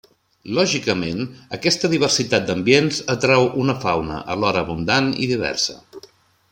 Lògicament aquesta diversitat d'ambients atrau una fauna alhora abundant i diversa.